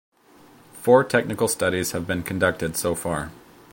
Four technical studies have been conducted so far.